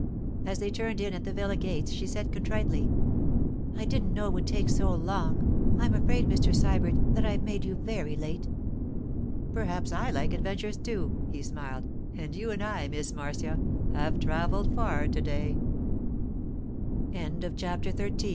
As they turned in at the villa gates she said contritely, 'I didn't know it would take so long; I'm afraid, Mr. Sybert, that I've made you very late!' 'Perhaps I like adventures too,' he smiled; 'and you and I, Miss Marcia, have travelled far to day.